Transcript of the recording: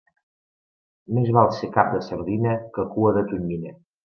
Més val ser cap de sardina que cua de tonyina.